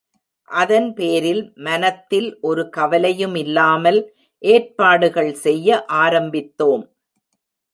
அதன்பேரில் மனத்தில் ஒரு கவலையுமில்லாமல் ஏற்பாடுகள் செய்ய ஆரம்பித்தோம்.